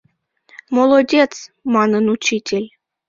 — Молодец! — манын учитель.